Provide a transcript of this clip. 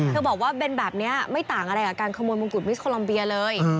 บอกว่าเป็นแบบนี้ไม่ต่างอะไรกับการขโมยมงกุฎมิสโคลัมเบียเลย